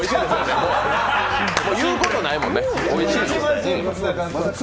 もう言うことないもんね。